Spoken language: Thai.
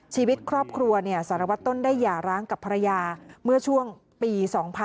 ชีวิตครอบครัวสารวัตรต้นได้หย่าร้างกับภรรยาเมื่อช่วงปี๒๕๕๘